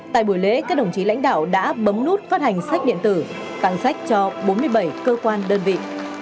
tại buổi lễ các đồng chí lãnh đạo đã bấm nút phát hành sách điện tử tặng sách cho bốn mươi bảy cơ quan đơn vị